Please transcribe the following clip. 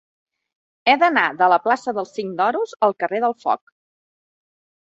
He d'anar de la plaça del Cinc d'Oros al carrer del Foc.